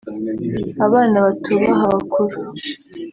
abana batubaha abakuru…”